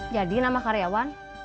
jadi nama karyawan